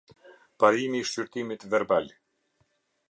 Parimi i shqyrtimit verbal.